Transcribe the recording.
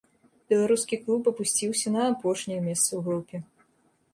Беларускі клуб апусціўся на апошняе месца ў групе.